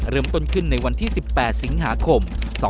เริ่มต้นขึ้นในวันที่๑๘สิงหาคม๒๕๖๒